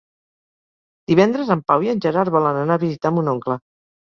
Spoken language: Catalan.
Divendres en Pau i en Gerard volen anar a visitar mon oncle.